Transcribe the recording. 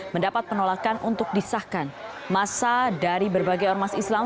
mendapat penolakan untuk disahkan masa dari berbagai ormas islam